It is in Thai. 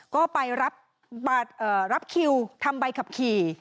ก็ไปรับคิวทำใบขับขี่